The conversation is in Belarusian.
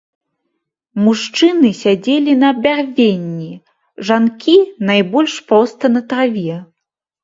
Мужчыны сядзелі на бярвенні, жанкі найбольш проста на траве.